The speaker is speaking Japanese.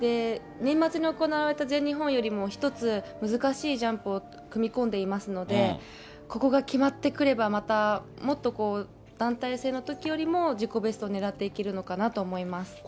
年末に行われた全日本よりも１つ難しいジャンプを組み込んでいますので、ここが決まってくれば、またもっとこう、団体戦のときよりも自己ベストをねらっていけるのかなと思います。